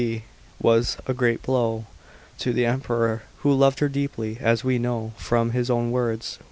D., was a great blow to the Emperor, who loved her deeply, as we know from his own words.